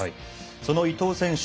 その伊藤選手